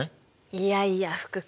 いやいや福君